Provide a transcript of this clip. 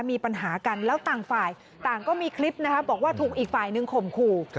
มีปัญหากันแล้วต่างฝ่ายต่างก็มีคลิปนะคะบอกว่าถูกอีกฝ่ายหนึ่งข่มขู่